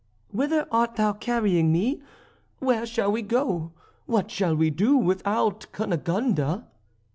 "Whither art thou carrying me? Where shall we go? What shall we do without Cunegonde?"